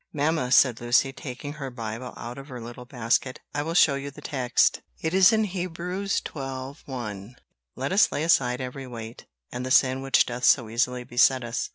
"Mamma," said Lucy, taking her Bible out of her little basket, "I will show you the text; it is in Heb. xii. 1: 'Let us lay aside every weight, and the sin which doth so easily beset us.'"